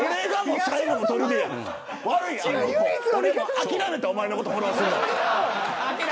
悪い、諦めたおまえのことフォローするの。